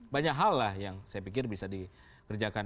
banyak hal lah yang saya pikir bisa dikerjakan